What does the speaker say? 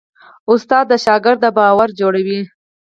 استاد د شاګرد باور جوړوي.